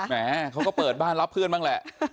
แม่เขาก็เปิดบ้านรับเพื่อนบ้างแหละ